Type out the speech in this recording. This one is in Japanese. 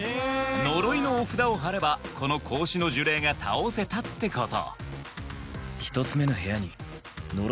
「呪」のお札を貼ればこの格子の呪霊が倒せたってこと。